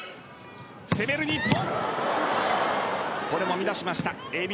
攻める日本。